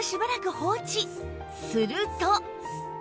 すると